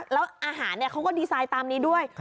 แล้วอาหารเขาก็ดีไซน์ตามนี้ด้วย